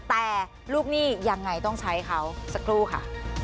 แต่ลูกหนี้ยังไงต้องใช้เขาสักครู่ค่ะ